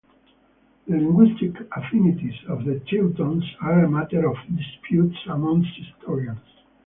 The linguistic affinities of the Teutones are a matter of dispute amongst historians.